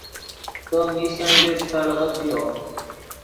تو میشن ژے ݰیکڑغیت ڤیو